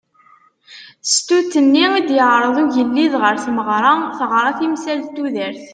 Stut-nni i d-yeɛreḍ ugelliḍ ɣer tmeɣra teɣra timsal n tudert.